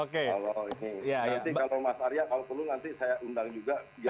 nanti kalau mas arya kalau perlu nanti saya undang juga